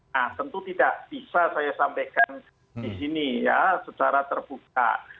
nah tentu tidak bisa saya sampaikan di sini ya secara terbuka